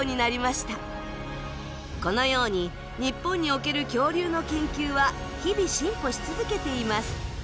このように日本における恐竜の研究は日々進歩し続けています。